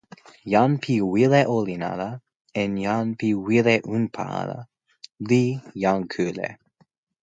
jan pi wile olin ala en jan pi wile unpa ala li jan kule.